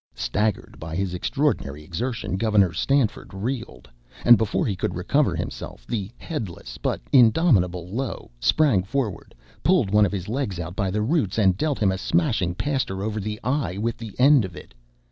Staggered by his extraordinary exertion, Gov. Stanford reeled, and before he could recover himself the headless but indomitable Low sprang forward, pulled one of his legs out by the roots, and dealt him a smashing paster over the eye with the end of it.